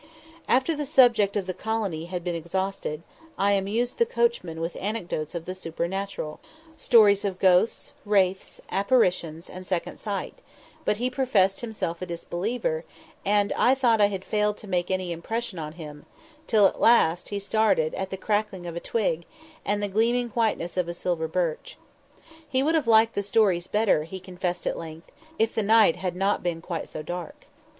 After the subject of the colony had been exhausted, I amused the coachman with anecdotes of the supernatural stories of ghosts, wraiths, apparitions, and second sight; but he professed himself a disbeliever, and I thought I had failed to make any impression on him, till at last he started at the crackling of a twig, and the gleaming whiteness of a silver birch. He would have liked the stories better, he confessed at length, if the night had not been quite so dark.